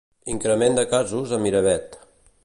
Increment de casos a Miravet.